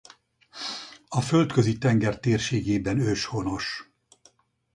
A Földközi-tenger térségében őshonos.